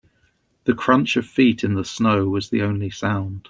The crunch of feet in the snow was the only sound.